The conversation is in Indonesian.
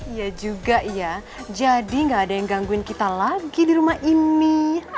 iya juga ya jadi gak ada yang gangguin kita lagi di rumah ini